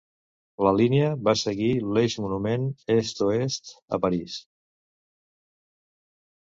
La línia va seguir l'eix monument est-oest a París.